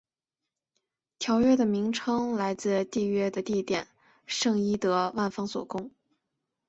条约的名称来自缔约的地点圣伊德方索宫。